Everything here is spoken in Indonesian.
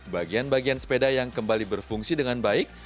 bagian bagian sepeda yang kembali berfungsi dengan baik